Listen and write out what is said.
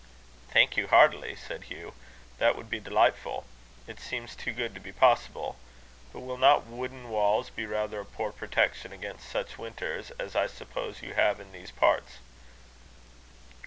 "Thank you heartily!" said Hugh; "that would be delightful. It seems too good to be possible. But will not wooden walls be rather a poor protection against such winters as I suppose you have in these parts?"